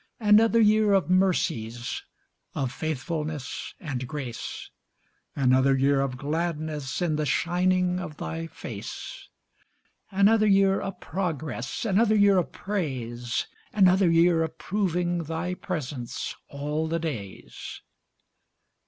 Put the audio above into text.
Another year of mercies, Of faithfulness and grace; Another year of gladness In the shining of Thy face. Another year of progress, Another year of praise; Another year of proving Thy presence 'all the days.'